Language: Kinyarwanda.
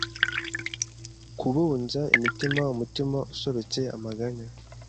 kubunza imitima, umutima usobetse amaganya